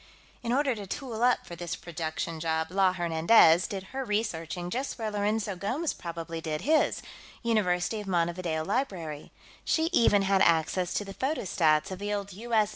"In order to tool up for this production job, La Hernandez did her researching just where Lourenço Gomes probably did his University of Montevideo Library. She even had access to the photostats of the old U.S.